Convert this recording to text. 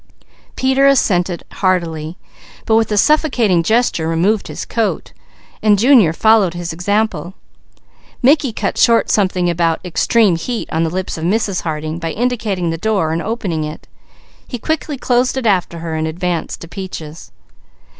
Peter assented heartily, but with a suffocating gesture removed his coat, so Junior followed his example. Mickey cut short something about "extreme heat" on the lips of Mrs. Harding by indicating the door, and opening it. He quickly closed it after her, advancing to Peaches.